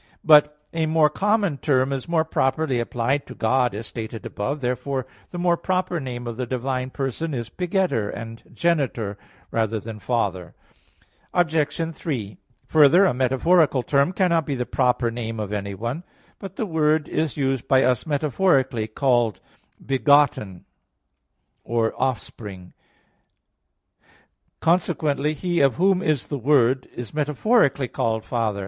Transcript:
But a more common term is more properly applied to God, as stated above (Q. 13, A. 11). Therefore the more proper name of the divine person is begetter and genitor than Father. Obj. 3: Further, a metaphorical term cannot be the proper name of anyone. But the word is by us metaphorically called begotten, or offspring; and consequently, he of whom is the word, is metaphorically called father.